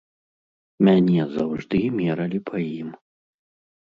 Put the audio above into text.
Мяне заўжды мералі па ім.